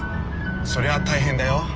そりゃ大変だよ